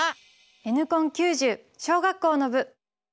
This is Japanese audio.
「Ｎコン９０」小学校の部！